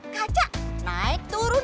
kaca naik turun